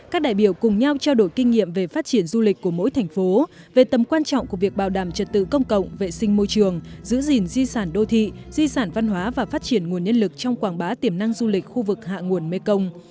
các đại biểu cùng nhau trao đổi kinh nghiệm về phát triển du lịch của mỗi thành phố về tầm quan trọng của việc bảo đảm trật tự công cộng vệ sinh môi trường giữ gìn di sản đô thị di sản văn hóa và phát triển nguồn nhân lực trong quảng bá tiềm năng du lịch khu vực hạ nguồn mekong